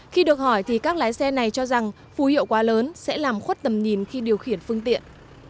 khi được hỏi thì các lái xe này cho rằng phù hiệu quá lớn sẽ làm khuất tầm nhìn khi điều khiển phương tiện